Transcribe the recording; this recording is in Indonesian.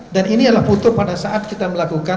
dan ini adalah foto pada saat kita melakukan